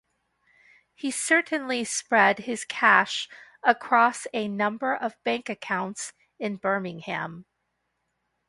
He certainly spread his cash across a number of bank accounts in Birmingham.